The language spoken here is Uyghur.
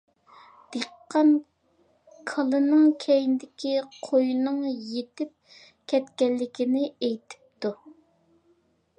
دېھقان كالىنىڭ كەينىدىكى قويىنىڭ يىتىپ كەتكەنلىكىنى ئېيتىپتۇ.